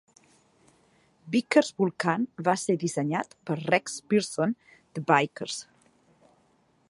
Vickers Vulcan va ser dissenyat per Rex Pierson de Vickers.